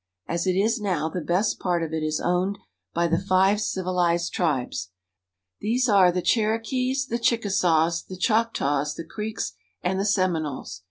As it is now, the best part of it is owned by the five civilized tribes. These are the Cherokees, the Chickasaws, the Choctaws, the Creeks, and THE GLACIERS.